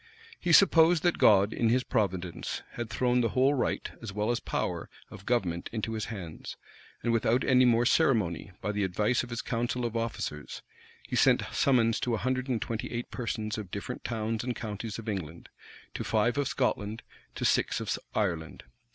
He supposed that God, in his providence, had thrown the whole right, as well as power, of government into his hands; and without any more ceremony, by the advice of his council of officers, he sent summons to a hundred and twenty eight persons of different towns and counties of England, to five of Scotland, to six of Ireland.